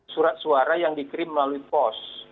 surat suara yang dikirim melalui pos